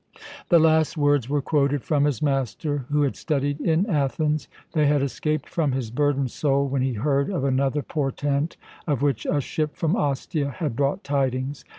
The last words were quoted from his master who had studied in Athens. They had escaped from his burdened soul when he heard of another portent, of which a ship from Ostia had brought tidings.